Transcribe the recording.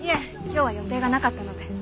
今日は予定がなかったので。